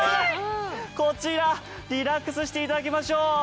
こちらリラックスしていただきましょう。